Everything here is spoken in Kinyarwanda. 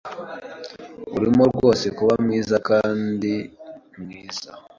Urimo rwose kuba mwiza kandi mwiza.